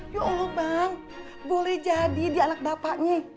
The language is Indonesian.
ya allah bang boleh jadi dia anak bapaknya